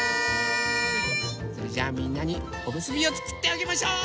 それじゃあみんなにおむすびをつくってあげましょう！